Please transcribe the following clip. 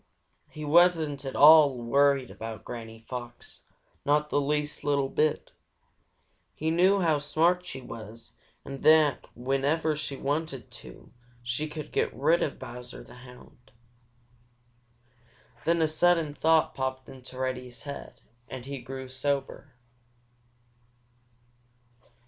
He wasn't at all worried about Granny Fox, not the least little bit. He knew how smart she was and that whenever she wanted to, she could get rid of Bowser the Hound. Then a sudden thought popped into Reddy's head, and he grew sober.